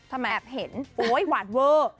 ถ้ามาแอบเห็นโอ๊ยหวานเวอร์